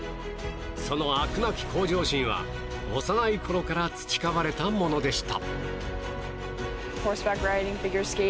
その飽くなき向上心は幼いころから培われたものでした。